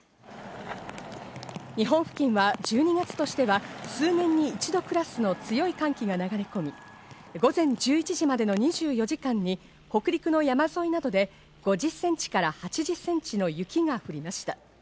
日本付近は１２月としては数年に一度クラスの強い寒気が流れ込み、午前１１時までの２４時間に北陸の山沿いなどで５０ｃｍから８０ｃｍの雪が降りました。